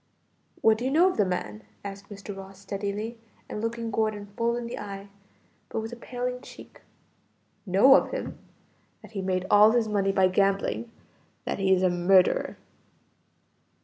"What do you know of the man?" asked Mr. Ross steadily and looking Gordon full in the eye, but with a paling cheek. "Know of him? that he made all his money by gambling; that he is a murderer."